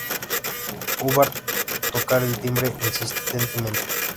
Hubbard, tocar el timbre insistentemente.